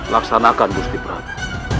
laksanakan gusti prabu